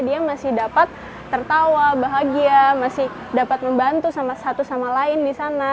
dia masih dapat tertawa bahagia masih dapat membantu sama satu sama lain di sana